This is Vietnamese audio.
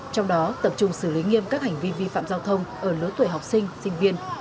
trong đó tập trung xử lý nghiêm các hành vi vi phạm giao thông ở lứa tuổi học sinh sinh viên